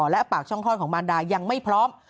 และปากช่องคลอดของมารดายังไม่พร้อม